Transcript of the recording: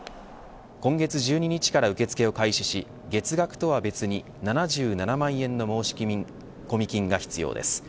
今月１２日から受け付けを開始し月額とは別に７７万円の申込金が必要です。